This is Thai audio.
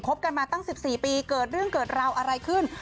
กันมาตั้ง๑๔ปีเกิดเรื่องเกิดราวอะไรขึ้น